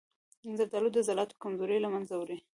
زردآلو د عضلاتو کمزوري له منځه وړي.